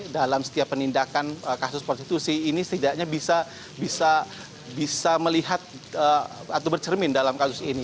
dalam setiap penindakan kasus prostitusi ini setidaknya bisa melihat atau bercermin dalam kasus ini